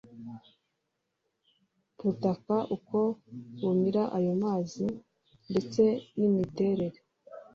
Butaka uko bumira ayo amazi ndetse n imiterere